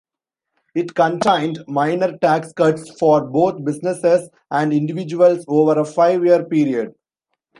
It contained minor tax cuts for both businesses and individuals over a five-year period.